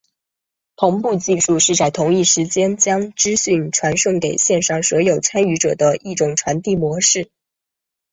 同步技术是在同一时间将资讯传送给线上所有参与者的一种传递模式。